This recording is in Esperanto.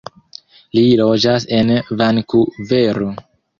Li loĝas en Vankuvero.